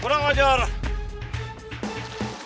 orang aja orang